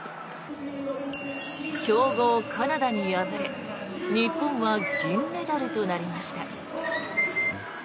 強豪カナダに敗れ日本は銀メダルとなりました。